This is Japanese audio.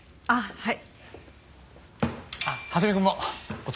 はい。